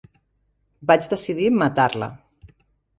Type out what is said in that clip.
Vaig decidir matar-la.